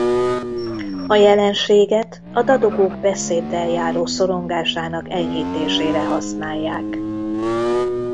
A jelenséget a dadogók beszéddel járó szorongásának enyhítésére használják.